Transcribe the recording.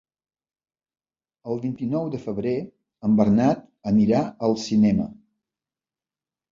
El vint-i-nou de febrer en Bernat anirà al cinema.